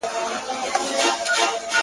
مور په ژړا سي خو عمل بدلولای نه سي-